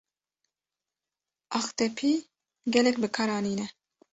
Aqtepî gelek bi kar anîne.